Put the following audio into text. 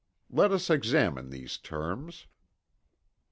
Let us examine these terms.